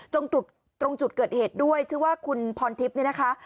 ตรงจุดเกิดเหตุด้วยชื่อว่าคุณพรทิพย์เนี่ยนะคะ